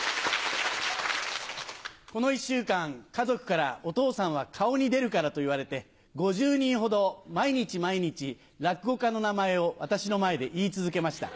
この１週間、家族からお父さんは顔に出るからと言われて、５０人ほど毎日毎日、落語家の名前を私の前で言い続けました。